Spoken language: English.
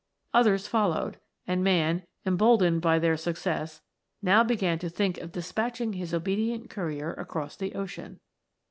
Others fol lowed, and man, emboldened by their success, now began to think of despatching his obedient courier THE AMBER SPIRIT. 25 across the Ocean.